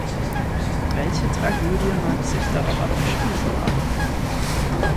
Welche Tragödie mag sich darauf abgespielt haben?